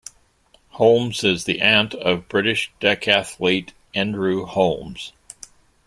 Holmes is the aunt of British decathlete, Andrew Holmes.